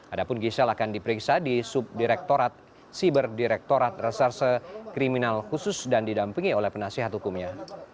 adapun giselle akan diperiksa di subdirektorat siber direktorat reserse kriminal khusus dan didampingi oleh penasehat hukumnya